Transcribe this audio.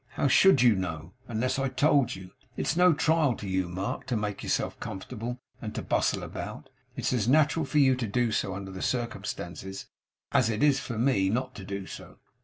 'How should you know, unless I told you? It's no trial to you, Mark, to make yourself comfortable and to bustle about. It's as natural for you to do so under the circumstances as it is for me not to do so.